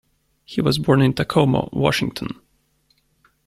He was born in Tacoma, Washington.